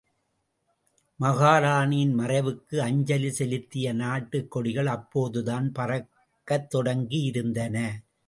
மகாராணியின் மறைவுக்கு அஞ்சலி செலுத்திய நாட்டுக் கொடிகள் அப்போதுதான் பறக்கத் தொடங்கியிருந்தன.